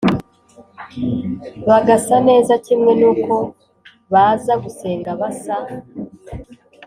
bagasa neza kimwe n’uko baza gusenga basa